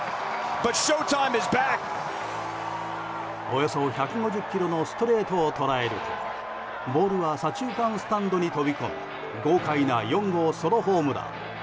およそ１５０キロのストレートを捉えるとボールは左中間スタンドに飛び込む豪快な４号ソロホームラン。